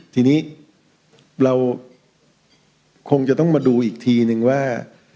ทีนี้เราคงจะต้องมาดูอีกทีนึงว่า